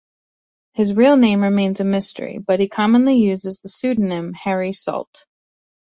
His real name remains a mystery but he commonly uses the pseudonym Harry Salt.